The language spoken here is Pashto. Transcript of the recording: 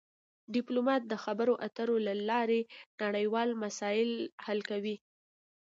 ډیپلومات د خبرو اترو له لارې نړیوال مسایل حل کوي